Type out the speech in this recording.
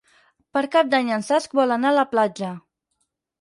Per Cap d'Any en Cesc vol anar a la platja.